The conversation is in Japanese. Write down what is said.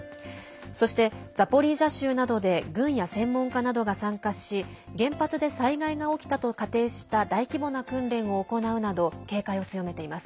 そして、ザポリージャ州などで軍や専門家などが参加し原発で災害が起きたと仮定した大規模な訓練を行うなど警戒を強めています。